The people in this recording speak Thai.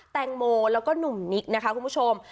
เตงโมและหนุ่มนิกครับคุณผู้ชม